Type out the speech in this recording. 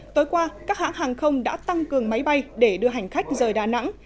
tối qua các hãng hàng không đã tăng cường máy bay để đưa hành khách rời đà nẵng